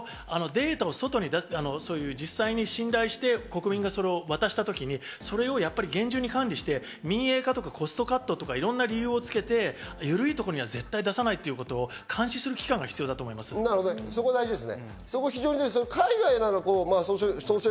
実際、信頼して国民がそれを渡した時に、それを厳重に管理して民営化とかコストカットとかいろんな理由をつけて緩いところには絶対出さないということを監視する機関が必要だとそこは大事ですね。